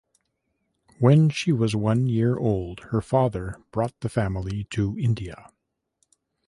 When she was one year old, her father brought the family to India.